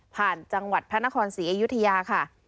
จังหวัดพระนครศรีอยุธยาค่ะ